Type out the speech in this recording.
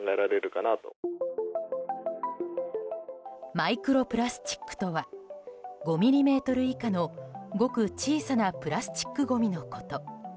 マイクロプラスチックとは５ｍｍ以下のごく小さなプラスチックごみのこと。